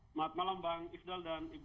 selamat malam bang ifdal dan ibu